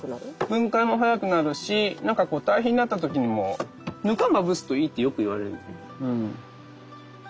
分解も早くなるしなんかこうたい肥になった時にもぬかまぶすといいってよく言われる。